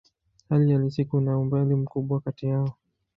Hali halisi kuna umbali mkubwa kati yao.